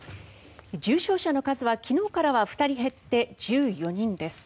重症者の数は昨日からは２人減って１４人です。